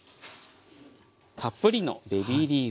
たっぷりのベビーリーフ。